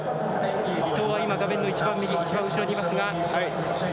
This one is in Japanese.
伊藤は今、画面の一番右、一番後ろにいますが。